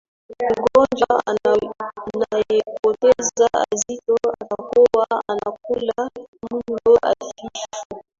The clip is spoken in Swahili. mgonjwa anayepoteza uzito atakuwa anakula mlo hafifu